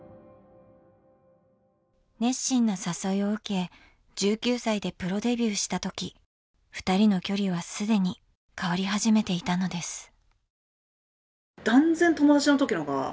熱心な誘いを受け１９歳でプロデビューした時ふたりの距離は既に変わり始めていたのです。